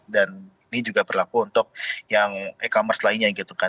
dan ini juga berlaku untuk yang e commerce lainnya gitu kan